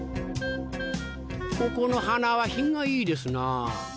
ここの花は品がいいですなぁ。